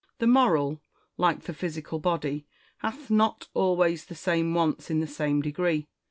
Marcus. The moral, like the physical body, hath not always the same wants in the same degree.